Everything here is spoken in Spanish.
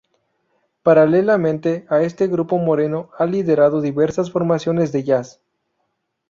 Paralelamente a este grupo Moreno ha liderado diversas formaciones de jazz.